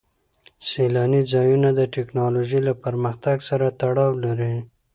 سیلاني ځایونه د تکنالوژۍ له پرمختګ سره تړاو لري.